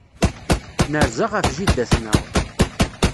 Nerza ɣef jida-tneɣ.